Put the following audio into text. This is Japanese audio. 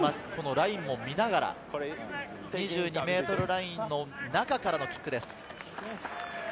ラインを見ながら、２２ｍラインの中からのキックです。